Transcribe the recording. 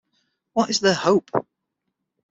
What is their hope?